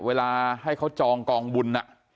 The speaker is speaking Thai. เวลาให้เขาจองกองบุญ